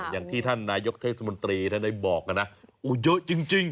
อย่างที่ท่านนายกเทศมนตรีท่านได้บอกกันนะโอ้เยอะจริง